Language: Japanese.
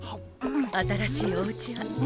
新しいおうちは。